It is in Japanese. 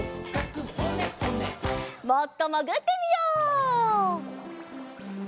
もっともぐってみよう。